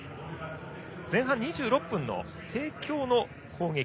前半２６分の帝京の攻撃。